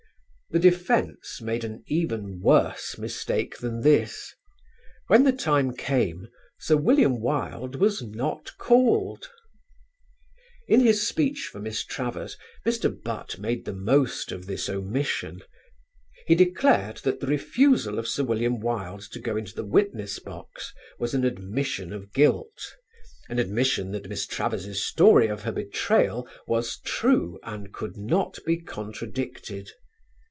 The defence made an even worse mistake than this. When the time came, Sir William Wilde was not called. In his speech for Miss Travers, Mr. Butt made the most of this omission. He declared that the refusal of Sir William Wilde to go into the witness box was an admission of guilt; an admission that Miss Travers' story of her betrayal was true and could not be contradicted.